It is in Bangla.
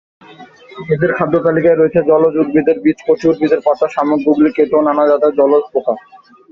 এদের খাদ্যতালিকায় রয়েছে জলজ উদ্ভিদের বীজ, কচি উদ্ভিদের পাতা, শামুক, গুগলি, কেঁচো ও নানা জাতের জলজ পোকা।